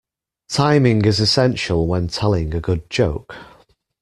Timing is essential when telling a good joke.